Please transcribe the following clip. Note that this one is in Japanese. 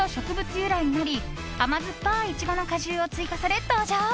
由来になり甘酸っぱいイチゴの果汁を追加され登場。